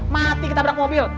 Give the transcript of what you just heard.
mati ketabrak mobil